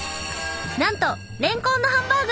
なんとれんこんのハンバーグ！